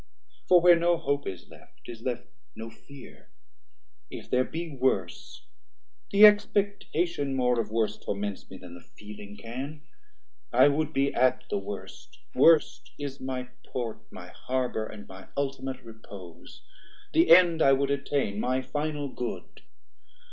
For where no hope is left, is left no fear; If there be worse, the expectation more Of worse torments me then the feeling can. I would be at the worst; worst is my Port. My harbour and my ultimate repose, 210 The end I would attain, my final good.